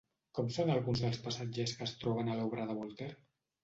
Com són alguns dels passatges que es troben a l'obra de Voltaire?